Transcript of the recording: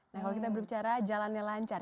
nah kalau kita berbicara jalannya lancar